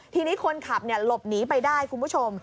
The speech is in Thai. ทีนี้คนขับหลบหนีไปได้คุณผู้ชม